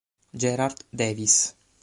Gerard Davis